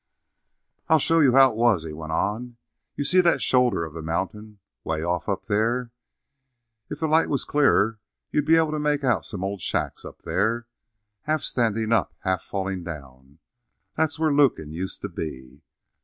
"I'll show you how it was," he went on. "You see that shoulder of the mountain away off up there? If the light was clearer you'd be able to make out some old shacks up there, half standin' up and half fallin' down. That's where Lukin used to be.